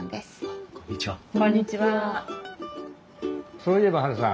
そういえばハルさん。